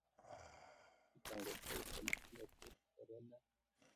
Ford reappears in the official novel continuation "Stargate Atlantis Legacy: The Third Path".